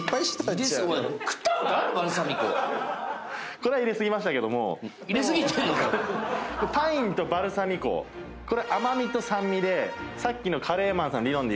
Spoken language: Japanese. これは入れ過ぎましたけどでもパインとバルサミコこれ甘味と酸味でさっきのカレーマンさんの理論でいうと。